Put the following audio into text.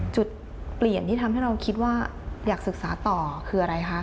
จุดเปลี่ยนที่ทำให้เราคิดว่าอยากศึกษาต่อคืออะไรคะ